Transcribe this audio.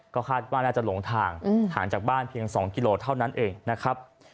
ก็คาดว่าน่าจะหลงทางห่างจากบ้านเพียง๒กิโลเท่านั้นเองนะครับ